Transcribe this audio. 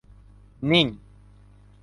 นิ่ง